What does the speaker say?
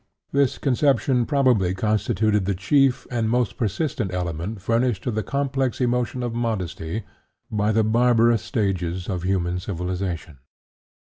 This conception probably constituted the chief and most persistent element furnished to the complex emotion of modesty by the barbarous stages of human civilization.